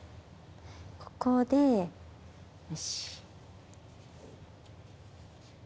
ここでよし。